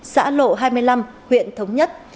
xã lộ hai mươi năm huyện thống nhất